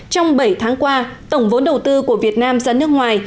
trong bảy tháng qua tổng vốn đầu tư của việt nam ra nước ngoài